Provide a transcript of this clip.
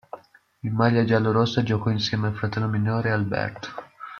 In maglia giallorossa giocò insieme al fratello minore Alberto.